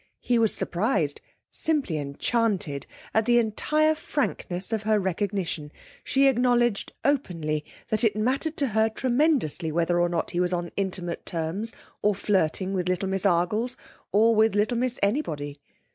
He was surprised, simply enchanted, at the entire frankness of her recognition; she acknowledged openly that it mattered to her tremendously whether or not he was on intimate terms or flirting with little Miss Argles, or with little Miss anybody.